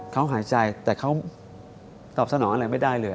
เขาหายใจแต่เขาตอบสนองอะไรไม่ได้เลย